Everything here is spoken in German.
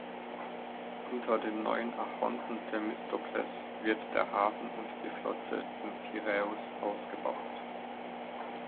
Unter dem neuen Archonten Themistokles wird der Hafen und die Flotte in Piräus ausgebaut.